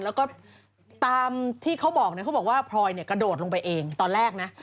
แล้วก็ตามที่เขาบอกเขาบอกว่าพลอยเนี่ยกระโดดลงไปเองตอนแรกนะ